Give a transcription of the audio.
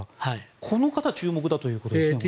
この方注目だということですね。